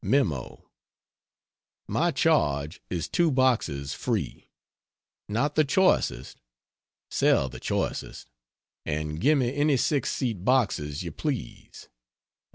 Mem. My charge is 2 boxes free. Not the choicest sell the choicest, and give me any 6 seat boxes you please.